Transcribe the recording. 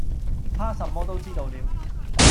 他什麼都知道了